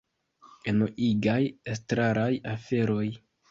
Enuigaj estraraj aferoj